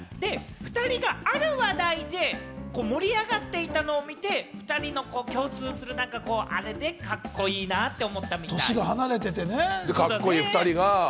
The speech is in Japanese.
２人がある話題で盛り上がっていたのを見て、２人の共通する何かあれでカッコいいなと思ったみたい。